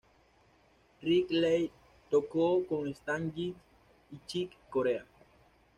Rick Laird tocó con Stan Getz y Chick Corea.